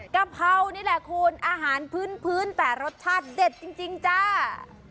กะเพรานี่แหละคุณอาหารพื้นแต่รสชาติเด็ดจริงจ้า